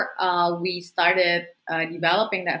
sebelum kami mulai mengembangkan